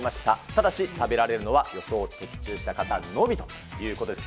ただし、食べられるのは予想的中した方のみということです。